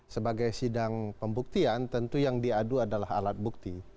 sebagai sidang pembuktian tentu yang diadu adalah alat bukti